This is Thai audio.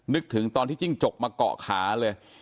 นึกถึงตอนที่จิ้งจกมาเกาะขาเลย